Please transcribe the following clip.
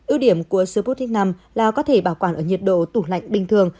ưu điểm của sputnik v là có thể bảo quản ở nhiệt độ tủ lạnh bình thường